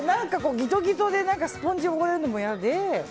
ギトギトでスポンジが汚れるのが嫌で。